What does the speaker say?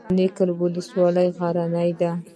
د نکې ولسوالۍ غرنۍ ده